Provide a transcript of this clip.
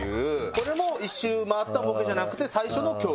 これも１周回ったボケじゃなくて。